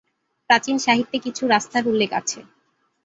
প্রাচীন সাহিত্যে কিছু রাস্তার উল্লেখ আছে।